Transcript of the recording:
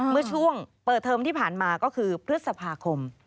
เมื่อช่วงเปิดเทอมที่ผ่านมาก็คือพฤษภาคม